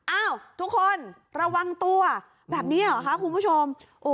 อ้าวทุกคนระวังตัวแบบนี้เหรอคะคุณผู้ชม